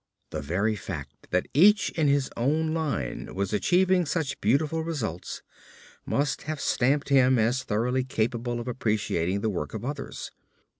The very fact that each in his own line was achieving such beautiful results must have stamped him as thoroughly capable of appreciating the work of others.